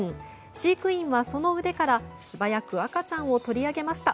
飼育員はその腕から素早く赤ちゃんを取り上げました。